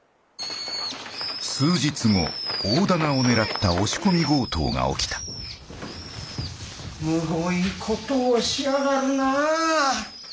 数日後大店を狙った押し込み強盗が起きたむごい事をしやがるなぁ。